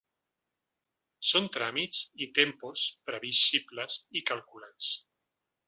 Són tràmits i tempos previsibles i calculats.